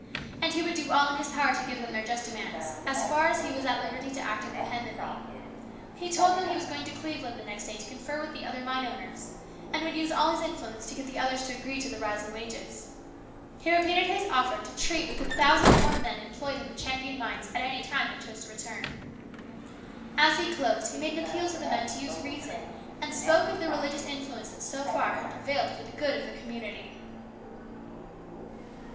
And he would do all in his power to give them their just demands, as far as he was at liberty to act independ ently. He told them he was going to Cleveland the next day to confer with the other mine owners, and would use all his influence to get the others to agree to the rise in wages. He repeated his offer to treat with the thousand or more men employed in the Champion mines at any time they chose to return. As he closed, he made an appeal to the men to use reason, and spoke of the religious influence that so far had prevailed for the good of the community.